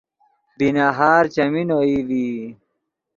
بی نہار چیمین اوئی ڤی